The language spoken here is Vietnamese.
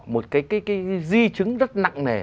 một cái di chứng rất nặng nề